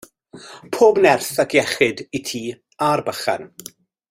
Pob nerth ac iechyd i ti a'r bychan.